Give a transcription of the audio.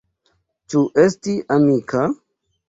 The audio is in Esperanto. Ĉu esti amika?